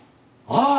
ああ。